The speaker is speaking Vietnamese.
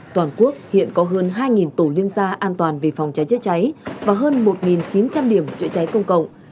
toàn quốc hiện có hơn hai tổ liên gia an toàn về phòng cháy chữa cháy và hơn một chín trăm linh điểm chữa cháy công cộng